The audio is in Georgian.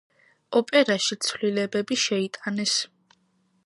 ოპერაში ცვლილებები შეიტანეს.